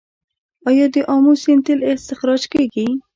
آیا د امو سیند تیل استخراج کیږي؟